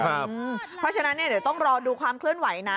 เพราะฉะนั้นเดี๋ยวต้องรอดูความเคลื่อนไหวนะ